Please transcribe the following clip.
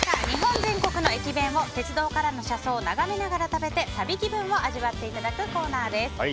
日本全国の駅弁を鉄道からの車窓を眺めながら旅気分を味わっていただくコーナーです。